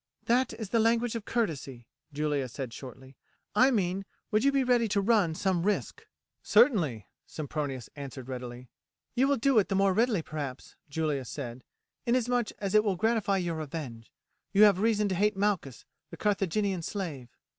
"That is the language of courtesy," Julia said shortly; "I mean would you be ready to run some risk?" "Certainly," Sempronius answered readily. "You will do it the more readily, perhaps," Julia said, "inasmuch as it will gratify your revenge. You have reason to hate Malchus, the Carthaginian slave."